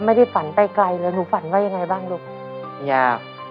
ไม่ได้ฝันไปไกลเลยหนูฝันว่ายังไงบ้างลูกอยาก